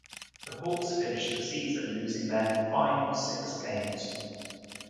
The Hawks finished the season losing their final six games.